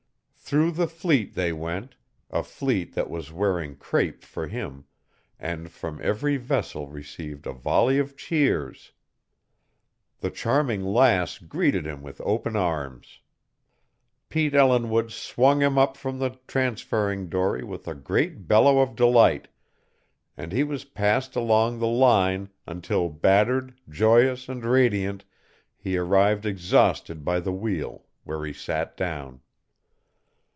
Through the fleet they went a fleet that was wearing crape for him and from every vessel received a volley of cheers. The Charming Lass greeted him with open arms. Pete Ellinwood swung him up from the transferring dory with a great bellow of delight, and he was passed along the line until, battered, joyous, and radiant, he arrived exhausted by the wheel, where he sat down.